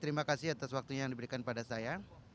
terima kasih atas waktunya yang diberikan pada saya